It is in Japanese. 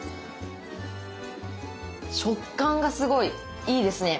食感がすごいいいですね。